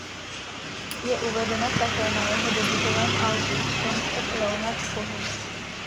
Je uvedena také na jeho debutovém albu "Songs of Leonard Cohen".